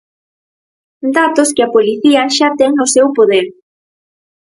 Datos que a Policía xa ten no seu poder.